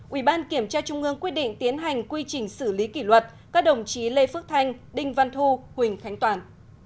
ubnd quyết định tiến hành quy trình xử lý kỷ luật các đồng chí lê phước thanh đinh văn thu huỳnh khánh toàn